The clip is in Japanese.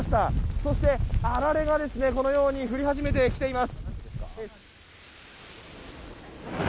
そして、あられがこのように降り始めてきています。